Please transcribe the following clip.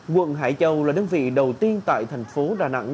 quận hải châu là đơn vị đầu tiên tại thành phố đà nẵng